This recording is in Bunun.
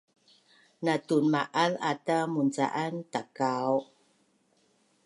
Na tunma’az ata munca’an Takau’?